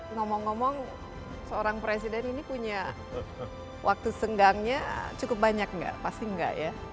ngomong ngomong seorang presiden ini punya waktu senggangnya cukup banyak nggak pasti enggak ya